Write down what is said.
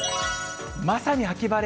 まさに秋晴れ。